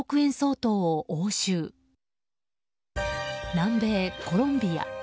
南米コロンビア。